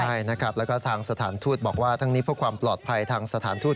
ใช่นะครับแล้วก็ทางสถานทูตบอกว่าทั้งนี้เพื่อความปลอดภัยทางสถานทูต